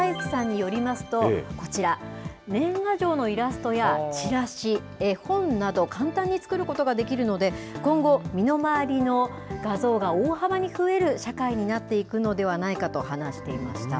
画像生成ＡＩに詳しい深津貴之さんによりますと、こちら、年賀状のイラストやチラシ、絵本などを簡単に作ることができるので、今後、身の回りの画像が大幅に増える社会になっていくのではないかと話していました。